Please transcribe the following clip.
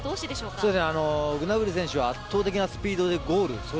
グナブリ選手は圧倒的なスピードでゴール。